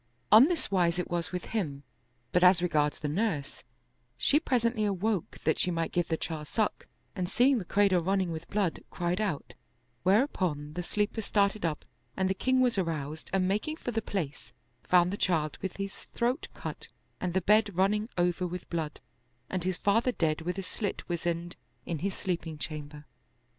On this wise it was with him; but as regards the nurse, she presently awoke that she might give the child suck, and seeing the cradle running with blood, cried out; whereupon the sleepers started up and the king was aroused and making for the place, found the child with his throat cut and the bed run ning over with blood and his father dead with a slit weasand in his sleeping chamber.